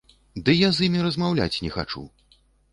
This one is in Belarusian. Ды я з імі размаўляць не хачу.